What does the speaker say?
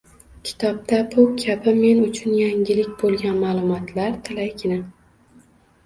Kitobda bu kabi men uchun yangilik boʻlgan maʼlumotlar talaygina